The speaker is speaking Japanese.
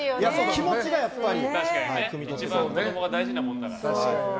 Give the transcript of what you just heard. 一番子供が大事なものだから。